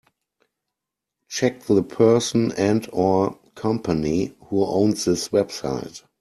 Check the person and/or company who owns this website.